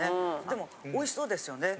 でもおいしそうですよね。